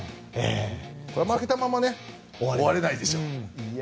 負けたまま終われないでしょうね。